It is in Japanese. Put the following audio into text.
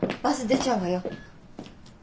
バス出ちゃうわよ。